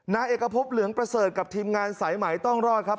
นายเอกพบเหลืองประเสริฐกับทีมงานสายไหมต้องรอดครับ